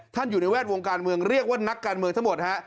อยู่ในแวดวงการเมืองเรียกว่านักการเมืองทั้งหมดฮะ